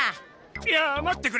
いや待ってくれ。